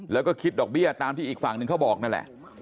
แล้วก็คิดดอกเบี้ยตามที่อีกฝั่งหนึ่งเขาบอกนั่นแหละ